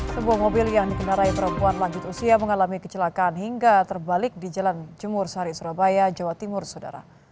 sebuah mobil yang dikendarai perempuan lanjut usia mengalami kecelakaan hingga terbalik di jalan jemur sari surabaya jawa timur sodara